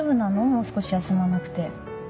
もう少し休まなくて。